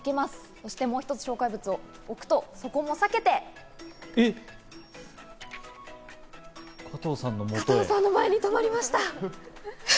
そしてもう一つ障害物を置くと、そこも避けて、加藤さんの前に止まりました。